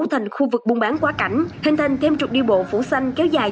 thành khu vực buôn bán quá cảnh hình thành thêm trục đi bộ phủ xanh kéo dài